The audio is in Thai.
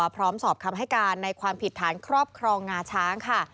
พร้อมสอบคำให้การในความผิดฐานครอบครองงาช้างค่ะ